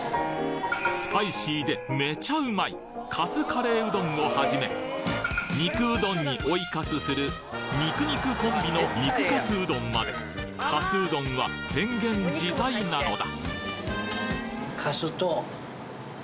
スパイシーでめちゃうまいかすカレーうどんをはじめ肉うどんに追いかすする肉肉コンビの肉かすうどんまでかすうどんは変幻自在なのだ！